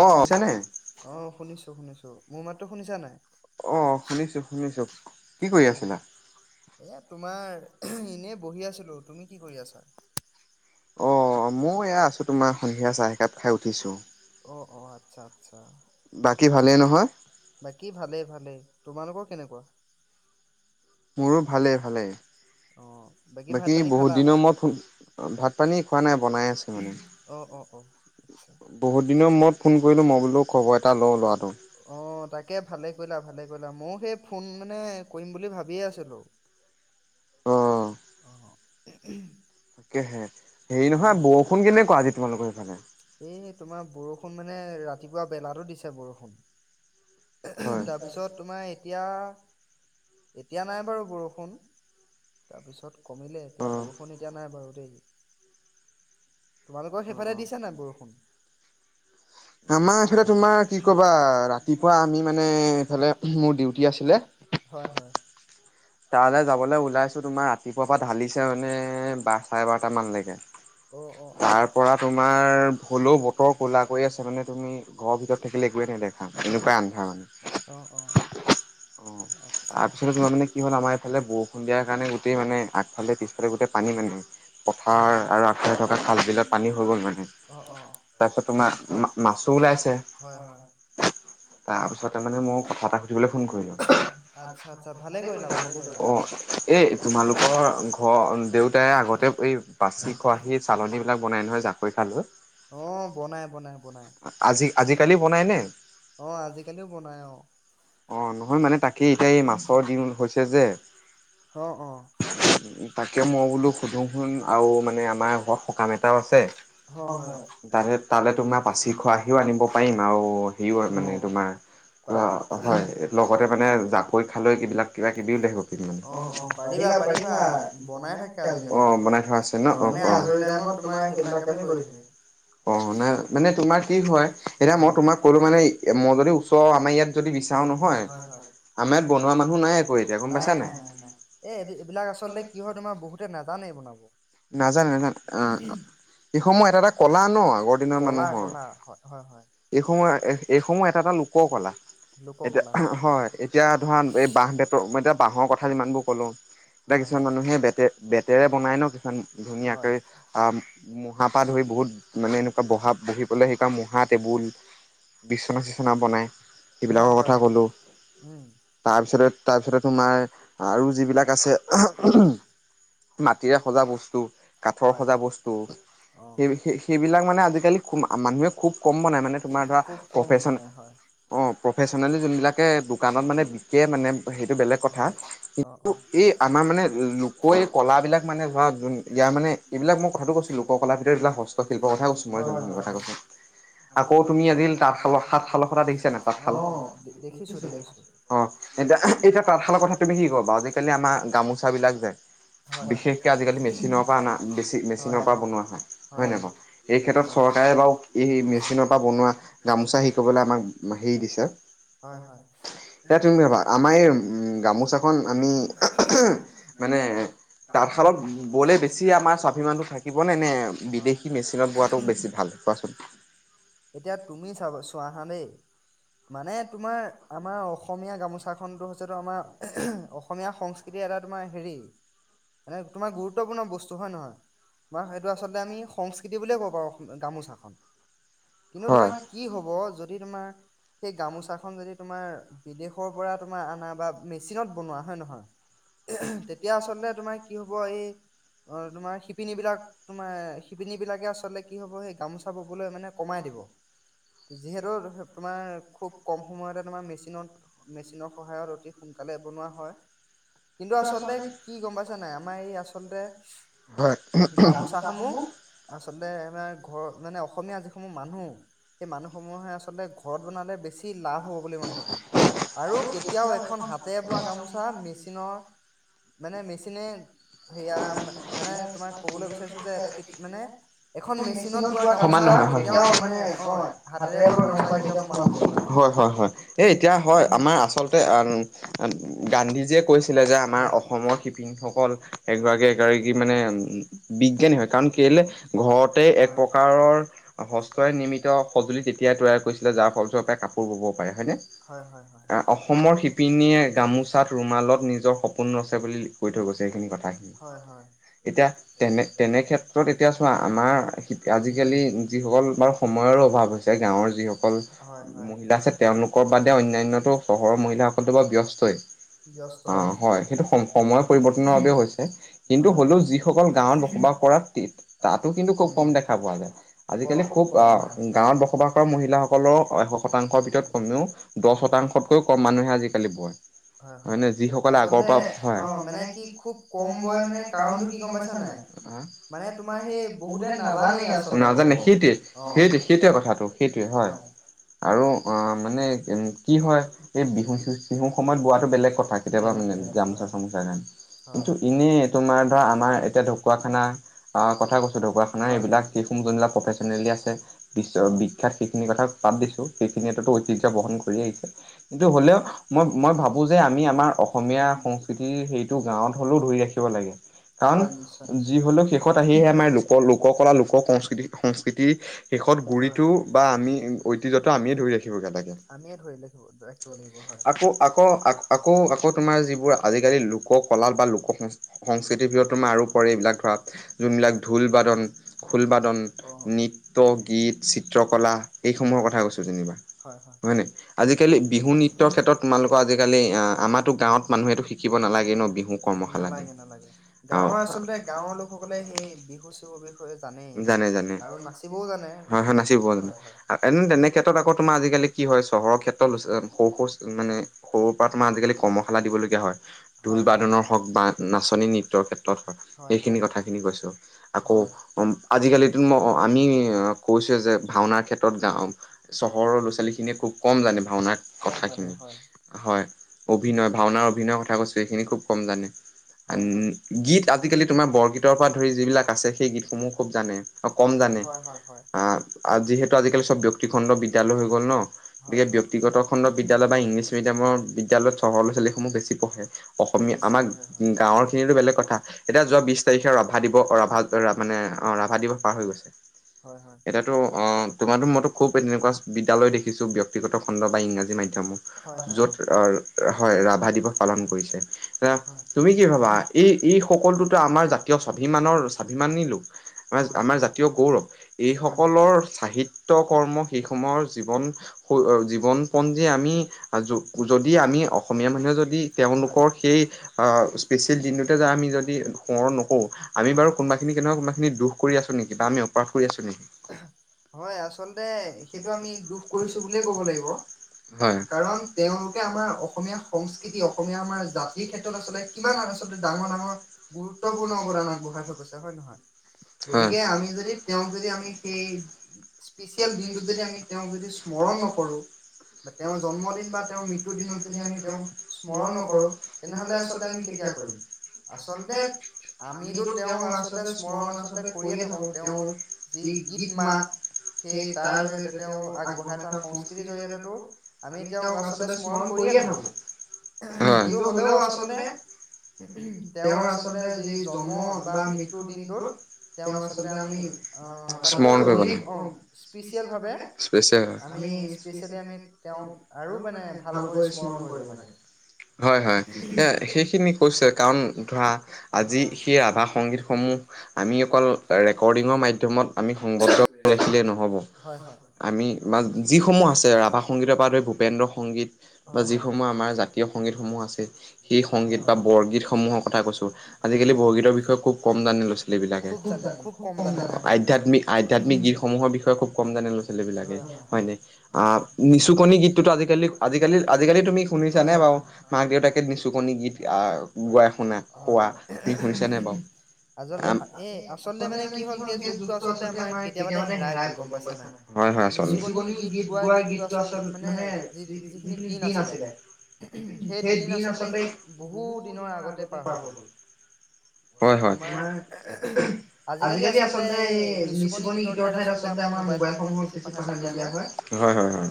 অ আছে নে। অ শুনিছোঁ শুনিছোঁ মোৰ মাত টো শুনিছা নাই। এয়া তোমাৰ এনেই বহি আছিলোঁ তুমি। কি কৰি আছা। অঁ মইয়ো এয়া আছোঁ তোমাৰ সন্ধিয়া চাহ একাপ খাই উঠিছোঁ। অ অ আচ্ছা আচ্ছা। বাকী ভালেই নহয়। বাকী ভালেই ভালেই। তোমালোকৰ কেনেকুৱা? মোৰো ভালেই ভালেই। বাকী বহুত দিনৰ মই ভাত পানী খোৱা নাই বনাই আছে মানে। বহুত দিনৰ মূৰত ফোন কৰিলো মই বোলো খবৰ এটা ল লৰাটো। অ তাকে ভালে কৰিলা ভালে। মই সেই ফোন মানে কৰিম বুলি ভাবিয়ে আছিলো। অ। উম উম। [unintelligible] তাকেহে। হেৰি নহয় বৰষুণ কেনেকুৱা আজি তোমালোকৰ সেইফালে? এই তোমাৰ বৰষুণ মানে ৰাতিপুৱা বেলাতো দিছে বৰষুণ। তাৰপিছত তোমাৰ এতিয়া এতিয়া নাই বাৰু বৰষুণ, তাৰপিছত কমিলে এতিয়া বৰষুণ এতিয়া নাই বাৰু দেই। তোমালোকৰ সেইফালে দিছে নাই বৰষুণ? তিপা [unintelligible] হয় হয়। তালৈ যাবলৈ ওলাইছো তোমাৰ ৰাতিপুৱাৰ পৰা ঢালিছে মানে বাৰ চাৰে বাৰট মানলৈকে। [unintelligible] তাৰ পৰা তোমাৰ হলেও বতৰ ক'লা কৰি আছে মানে তুমি ঘৰ ভিতৰত থাকিলে একোৱে নেদেখা এনেকোৱাই আন্ধাৰ মানে। অঁ অঁ আচ্ছা। আমাৰ এইফালে বৰষুণ দিয়াৰ কাৰণে গোটেই মানে আগফালে পিছফালে গোটেই পানী মানে। [unintelligible] পথাৰ আৰু আঠৰে থকা খাল বিলত পানী হৈ গল মানে। তাৰপিছত তোমাৰ মাছো ওলাইছে। তাৰ পিছতে মানে মই কথা এটা সুধিবলৈ ফোন কৰিলো। অ এই তোমালোকৰ ঘৰ দেউতাই আগতে এই পাছ- [unintelligible] খহি চালনী বিলাক বনাই নহয় জাকৈ খালৈ। আজি আজিকালি বনাই নে? অ আজি কালিও বনাই অ। অ নহয় মানে তাকেই এতিয়া এই মাছৰ দিন হৈছে যে, অ অ। তাকেও মই বোলো সুধো শুন আৰু মানে আমাৰ ঘৰত সকাম এটাও আছে। [unintelligible] তাতে তালৈ তোমাৰ পাচি খোৱা সিও আনিব পাৰিম আৰু সেও মানে তোমাৰ, [unintelligible] হয়। অ হয়। লগতে মানে জাকৈ খালৈ কি বিলাক কিবা কিবিও দেখিব কিন্ত মানে। [unintelligible] অ অ পাৰিবা পাৰিবা বনাই ন অ বনাই থোৱা আছে ন অ আজৰি [unintelligible] তোমাৰ [unintelligible] কোনে কোনে কৰিছে [unintelligible] অ মানে তোমাৰ কি হয়, এতিয়া মই তোমাক ক'লো মানে মই যদি ওচৰ আমাৰ ইয়াত যদি বিচাও নহয়, আমাৰ ইয়াত বনোৱা মানুহ নাই আক, এতিয়া গম পাইছা নে? এ এই এইবিলাক আচলতে কি হয় তোমাৰ বহুতে নাজানে বনাব। নাজানে নাজানে অ। এইসময় এটা এটা কলা ন আগৰ দিনৰ মানুহৰ। এইসময় এ এইসমূহ এটা এটা লোককলা এতিয়া হয়। এতিয়া ধৰা এই বাঁহ বেতৰ এতিয়া বাঁহৰ কথা যিমানবোৰ ক'লোঁ, এতিয়া কিছুমান মানুহে বে বেতেৰে বনাই ন। ধুনীয়াকৈ আ, মুঢ়াৰ পৰা ধৰি বহুত মানে এনেকোৱা বহা বহি পেলাই সেই মুঢ়া টেবুল বিচনা চিচনা বনাই। সেইবিলাকৰ কথা কলো। তাৰপিছতে তাৰপিছতে তোমাৰ আৰু যিবিলাক আছে মাটিৰে সজা বস্তু, কাঠৰ সজা বস্তু। সেই সেইবিলাক মানে আজিকালি মানুহে খুব কম বনায়, মানে তোমাৰ ধৰা প্ৰফেচন অ। যোনবিলাকে দোকানত মানে বিকে মানে সেইটো বেলেগ কথা, কিন্তু এই আমাৰ মানে লোক এই কলাবিলাক মানে ধৰা যোন ইয়াৰ মান এইবিলাক মই কথাটো কৈছো লোক কলাৰ ভিতৰত এইবিলাক হস্তশিল্প কথা কৈছো মই কথা কৈছো আকৌ তুমি আজি তাঁতশালৰ তাঁতশালৰ কথা দেখিছা নে তাঁতশাল অ এতিয়া এতিয়া তাঁতশালৰ কথা তুমি কি কবা আজিকালি আমাৰ গামোচা বিলাক লৈ যায়। বিশেষকে আজিকালি মেচিনৰ পৰা অনা বেছি মেচিনৰ পৰা বনোৱা হয় নাই বাও এই ক্ষেত্ৰত চৰকাৰে বাৰু এই মেচিনৰ পৰা বনোৱা গামোচা শিকাবলৈ আমাক হেৰি দিছে। হয় হয়। আমাৰ এই গামোচাখন আমি মানে। তাতশালত ব'লে বেছি আমাৰ স্বাভিমানটো থাকিবনে নে বিদেশী মেচিনত বোৱাটো বেছি ভাল। কোৱা চোন এতিয়া তুমি চাব চোৱা হা দেই। মানে তোমাৰ আমাৰ অসমীয়া গামোচা খনতো হৈছেতো আমাৰ অসমীয়া সংস্কৃতিৰ এতিয়া এটা তোমাৰ হেৰি অ মানে তোমাৰ গুৰুত্বপূৰ্ণ বস্তু হয় নহয়। ম সেইটো আচলতে আমি সংস্কৃতি বুলিয়ে ক'ব পাৰো গামোচাখন। কিন্তু তোমাৰ কি হব যদি তোমাৰ সেই গামোচাখন যদি তোমাৰ তোমাৰ বিদেশৰ পৰা তোমাৰ অনা বা মেচিনত বনোৱা হয় তেতিয়া আচলতে তোমাৰ কি হব এই অ তোমাৰ শিপিনী বিলাক তোমাৰ শিপিনী বিলাকে আচলতে কি হব সেই গামোচা ববলৈ মানে ক মাই দিব যিহেতু তোমাৰ খুব কম সময়তে তোমাৰ মেচিনত মেচিনৰ সহায়ত অতি। সোনকালে বনোৱা হয় কিন্তু আচলতে কি গম পাইছে নাই আমাৰ এই আচলতে হয়। আচলতে আমাৰ ঘৰ মানে অসমীয়া যি খন মানুহ সেই মানুহসমূহে আচলতে ঘৰত বনালে বেছি লাভ হ'ব বুলি মই ভাবো। আৰু কেতিয়াও এখন হাতেৰে বোৱা গামোচা মেচিনৰ মানে মেচিনে সেয়া মানে তোমাক কবলৈ বিচাৰিছো যে এটা মানে এখন মেচিনত বোৱা গামোচা হয় কেতিয়া হয় হয় এই এতিয়া হয় আমাৰ। আচলতে আৰু গান্ধীজীয়ে কৈছিলে যে আমাৰ অসমৰ শিপিনীসকল এগৰাকী এগৰাকী মানে বিজ্ঞানী হয় কাৰণ কেলে ঘৰতে এক প্ৰকাৰৰ হয় হয় অসমৰ শি পিনীয়ে গামোচাত ৰুমালত নিজৰ সপোন ৰছে বুলি কৈ থৈ গৈছে এইখিনি কথাখিনি এতিয়া তেনে তেনে ক্ষেত্ৰত এতিয়া চোৱা আমাৰ আজিকালি। যিসকল বাৰু সময়ৰো অভাৱ হৈছে গাঁৱৰ যিসকল মহিলা আছে তেওঁলোকৰ বাদে অন্যান্য টো। [unintelligible] চহৰৰ মহিলাসকলো বা ব্যস্তই। অ হয় সেইটো সম সময় পৰিৱৰ্তনৰ বাবেও হৈছে কিন্তু হ'লেও যিসকল গাঁৱত বসবাস। [unintelligible] কৰাত তাতো কিন্তু খুব কম দেখা পোৱা যায় আজিকালি খুব গাঁৱত বসবাস কৰা মহিলাসকলৰ এশ শতাংশৰ ভিতৰত কমেও দহ শতাংশ [unintelligible] শতকৈ কম মানুহে আজিকালি কয়‌। হয়ে যিসকলে আগৰ পৰা হয় ব পাই [unintelligible] অ মানে তোমাৰ সেই বহুত যে নাজানেই আছো নাজানে‌। [unintelligible] সেইটোৱে সেইটো সেইটোৱে কথাটো সেইটোৱে হয়। আৰু অ মানে উ কি হয় এই বিহু চ [unintelligible] বিহুৰ সময়ত বোৱাটো বেলেগ কথা কেতিয়াবা মানে গামোচা চামোচা গান। কিন্তু এনেই তোমাৰ ধৰা আমাৰ এতিয়া ঢকুৱাখানা অ কথা কৈছো ঢকুৱাখানা এইবিলাক কি? বাক [unintelligible] আছে বিখ্যাত সেইখিনি কথা পাদ দিছো সেইখিনিয়ো ঐতিহ্যৰ বহন কৰি আহিছে [unintelligible] কিন্তু হ'লেও মই মই ভাবো যে আমি আমাৰ অসমীয়া সংস্কৃতি সেইটো গাঁৱত হ'লেও ধৰি ৰাখিব লাগে কাৰণ যি হলেও শেষত আহিহে আমাৰ লোক লোক কলা লোক সংস্কৃতি সংস্ [unintelligible] আমিয়ে ধৰিলেখিব [unintelligible] ৰাখিব লাগিব হয় আকৌ আকৌ আকৌ আকৌ তোমাৰ যিবোৰ আজিকালি লোক কলা বা লোক সংস্কৃতিৰ বি তোমাৰ আৰু কৰেৰে এইবিলাক ধৰা যোনবিলাক ঢোলবাদন খোলবাদন নৃত্য গীত চিত্ৰকলা এইসমূহৰ কথা কৈছোঁ যেনিবা হয় নে আজিকালি বিহু নৃত্য ক্ষেত্ৰত তোমালোকৰ আজিকালি আমাৰতো গাঁৱত মানুহেতো শিকিব নালাগে ন বিহু কৰ্মশালা মাৰ আচল গাঁৰ লোকৰ বিষয়ে জানে জানে [unintelligible] আৰু নচিবহত [unintelligible] [unintelligible] হয় হয় মানে কৰ পৰা তোমাৰ আজিকালি কৰ্মশালা দিবলগীয়া হয় ঢোল বাদনৰ হওক বা নাচনী নৃত্যৰ ক্ষেত্ৰত হওক [unintelligible] সেইখিনি কথা খিনি কৈছো আকৌ আজিকালিতো আমি কৈছোে যে ভাওনাৰ ক্ষেত্ৰত গাও চহৰৰ ল'ৰা ছোৱালীখিনিয়ে খুব কম জানে [unintelligible] ভাওনাৰ কথাখিনিয়ে হয় অভিনয় ভাওনাৰ অভিনয়ৰ কথা কৈছো এইখিনি খুব কম জানে গীত আজিকালি তোমাৰ বৰগীতৰ পৰা ধৰি যিবিলাক আছে সেই গীতসমূহ খুব জানে [unintelligible] অ কম জানে আহ যিহেতু আজিকালি চব ব্যক্তি খণ্ড বিদ্যালয় হৈ গ'ল ন গতিকে [unintelligible] ব্যক্তিগত খণ্ডত বিদ্যালয় বা ইংলিছ মিডিয়ামৰ বিদ্যালয়ত চহৰ ছোৱালীসমূহ বেছি পঢ়ে অসমীয়া আমা গাঁৱৰ বেলেগ কথা এতিয়া যোৱা বিশ তাৰিখে ৰাভা দিৱস ৰাভা মানে অ ৰাভা দিৱস পাৰ হৈ গৈছে [unintelligible] এয়াতো অ তোমাৰো মইতো খুব তেনেকুৱা বিদ্যালয় দেখিছো ব্যক্তিগত খণ্ড বা ইংৰাজী মাধ্যম যত আহ হয় ৰাভা দিৱস পালন কৰিছে এ তুমি কি ভাবা এই এই সকলোটোতো আমাৰ জাতীয় স্বাভিমানৰ স্বাভিমানী লোক আম আমাৰ জ [unintelligible] জ গৌৰৱ এইসকলৰ সাহিত্য কৰ্ম সেইসমূহৰ জীৱন জীৱন প [unintelligible] আমি যদি আমি অসমীয়া মানুহে য তেওঁলোকৰ সেই অ [unintelligible] দিনটোতে য আম যদি নকৰো আমি বাৰু কোনোবাখিনি কোনোবাখিনি ৰেখাত দুখ কৰি আছো নেকি [unintelligible] কিবা আমি ওপাৰ ফুৰি আছো নেকি [unintelligible] হয় আচলতে সেইটো আমি দুখ কৰিছো বুলিয়ে ক'ব লাগিব হয় কাৰণ তেওঁলোকে আমাৰ অসমীয়া সংস্কৃতি অসমীয়া আমাৰ জাতিৰ ক্ষেত্ৰত আচলতে কিমান আ আচ [unintelligible] ডাঙৰ ডাঙৰ গুৰুত্বপূৰ্ণ কৰে আমাৰ ব [unintelligible] আমি যদি তেওঁক যদি আমি সেই স্পচিয়েল দিনটো যদি আমি তেওঁক যদি স্মৰণ নকৰো। তেওঁৰ জন্মদিন বা তেওঁৰ মৃত্যুৰ দিনত যদি আমি তেওঁ স্মৰণ নকৰো তেনেহলে আচলতে আমি কেতিয়া। আচলতে আমিতো তেওঁ আচলতে স্মৰণ আচতে। কৰিয়ে থাকো তেওঁৰ যি গীত মাত। সেই তাৰ জৰিয়তে তেওঁ আগবঢ়াই থকা সংস্কৃতিৰ জৰিয়তেই। আমি তেওঁক আচলতে স্মৰণ কৰিয়ে থাকো কিটো হলেও আচলতে। তেওঁৰ আচলতে যি জন্ম বা মৃত্যুৰ দিনটোত। স্মৰণ কৰিবিয়। তেওঁক আৰু মানে ভালকৈ স্মৰণ কৰিব লাগে। হয় হয় এ সেইখিনি কৈছে কাৰণ ধৰা আজি সেই ৰাধা সংগীতসমূহ। আমি। অকল ৰেকৰ্ডিংৰ মাধ্যমত সংদ্ধ ৰাখিলে নহব আমি। যিসমূহ আছে ৰাভা। ভূপেন্দ্ৰ সংগীত বা যিসমূহ আমাৰ জাতীয় সংগীতসমূহ আছে সেইগীত। বৰগীতসমূহৰ কথা কৈছো, আজিকালি বৰগীতৰ বিষয়ে খুব কম জানি লৈছিল এই বিলাক। আধ্যয়াত্মিক, আধ্যাত্মিক গীতসমূহৰ বিষয়ে খুব কম জানে ল'ৰা ছোৱালী বিলাকে হয় ন। অহ। নিচুকনি গীতটোতো আজিকালি আজিকালি আজিকালি তুমি শুনিছা নে বাৰু মাক দেউতাকে নিচুকনি গীত। গোৱ শুনা খোৱা তুমি শুনিছা নে বাৰু? আজল। এ, আচলতে মানে কি হল, সেই যুগটো আচল আমাৰ কেতিয়াামানে হেৰাই গল গম পাইছ নাই? গীত গোৱা গীতটো আচল মানে যিখিনি দিন আছিলে। সেই দিন আচলতে বহু দিনৰ আগতে পাৰ হৈ গ'ল। হয়, হয়। উ। [unintelligible] আজিকালি আচলতে এই নিচুকনি গীতৰ ঠাইত আচলতে আমাৰ মোবাইলসমূহত বেছি প্ৰাধান্য দিয়া হয়। হয়, হয়, হয়।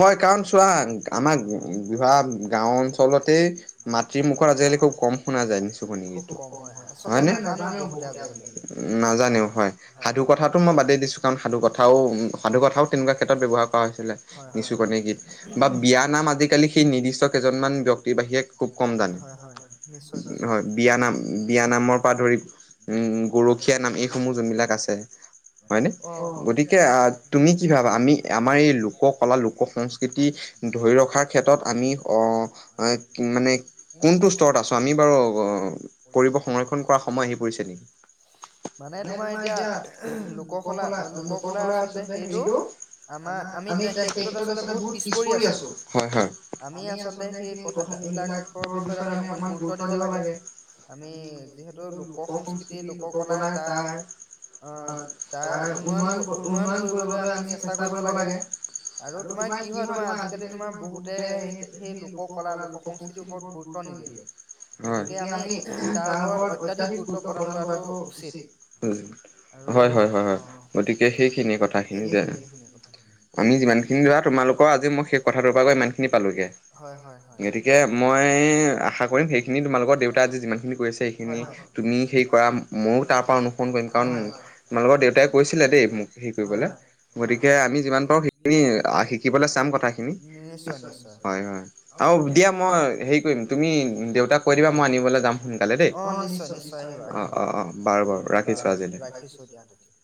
হয়, কাৰণ চোৱা আমাক। বিহা গাঁও অঞ্চলতেই মাতৃ মুখৰ আজিকালি খুব কম শুনা যায়। নিচুকনি গীত তো হয় নে? নাজানেও আজিকালি বহুত আজিকালি। হয়, সাধু কথাাতটো মই বাদেই দিছো। কিমান সাধু কথাও উ সাধু কথাও তেনেকুৱা ক্ষেত্ৰত ব্যৱহাৰ কৰা হৈছিলে নিচু কণ গীত বা বিয়া নাম। জাল সেই নিৰ্দিষ্ট কেইজনমান ব্যক্তিৰ বাহিৰে খুব কম জানে। হয়, হয়, নিশ্চয়, নিশ্চয়। উম, গৰখীয়া নাম এইসমূহ যোনবিলাক আছে, হয়নে? গতিকে আহ তুমি কি ভাবা আমি আমাৰ এই লোক কলা লোক-সংস্কৃতি ধৰি ৰখা। ৰখাৰ ক্ষেত্ৰত আমি মানে। কোনটো স্তৰট আছোঁ, আমি বাৰু কৰিব সংৰক্ষণ কৰাৰ সময় আহি পৰিছে নেকি? মানে তোমাৰ এতিয়া লোক-কলা লোক-কলা আচলতে হেৰিটো। আমাৰ আমি স কেত্ৰত আচল বহুত পিছ পৰি আছো হয়, হয় আমি আচলতে সেই কথা। সেইবিলাক। বিষয়ে আমি অকণমান গুৰুত্ব দিব লাগে। আমি যিহেতু লোক-সংস্কৃতি লোককললা তাৰ আহ তাৰ উন্নয়ন, উন্নয়ন কৰিবলৈ আমি চেষ্টা কৰিব লাগে। আৰু তোমাৰ কি হয়, তোমাৰ আজিকালি তোমাৰ বহুতে সেই সেই লোক-কলা লোক -সংস্কৃতি। বৰ গুৰুত্ব নিদিয়ে। গতিকে আমি তাৰ ওপৰত অত্যাধিক গুৰুত্ব প্ৰদান কৰাটো উচিত। হয়, হয়, হয় গতিকে সেইখিনি কথাখিনি যে। আমি যিমান খিনি ধৰা তোমালোকৰ আজি মই সেই কথাটোৰ পৰা গ ইমান খিনি পালোগে। গতিকে, মই আশা কৰিম সেইখিনি তোমালোকৰ দেউতা আজি যিমানখিনি কৰি আছে সেইখিনি তুমি সেই কৰা। মই তাৰ পৰা অনুসৰণ কৰিম কাৰণ তোমালোকৰ দেউতাই কৈছিলে দেই মোক হে কৰিবলৈ গতিকে আমি যিমান পাৰো সেইখিনি শিকিবলৈ চাম কথাখিনি। হয়, হয় আৰু দিয়া মই তুমি দেউতাক কৈ দিবা, মই আনিবলৈ য সোনালে দেই। অ, অ বাৰু ৰাখিছো দিয়া তেতিয়া।